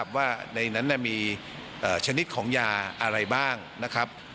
จะมีชนิดของยาอะไรบ้างนะครับ